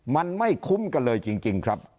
มันไม่คุ้มกันเลยจริงครับ